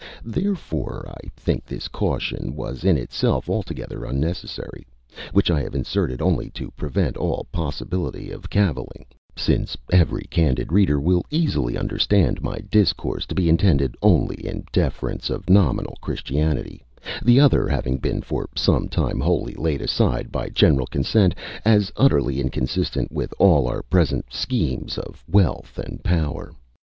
Therefore I think this caution was in itself altogether unnecessary (which I have inserted only to prevent all possibility of cavilling), since every candid reader will easily understand my discourse to be intended only in defence of nominal Christianity, the other having been for some time wholly laid aside by general consent, as utterly inconsistent with all our present schemes of wealth and power.